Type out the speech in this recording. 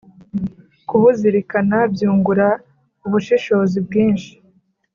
Kubuzirikana byungura ubushishozi bwinshi,